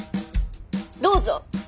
どうぞ。